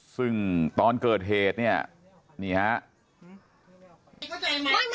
ซึ่งตอนเกิดเหตุนี่ครับ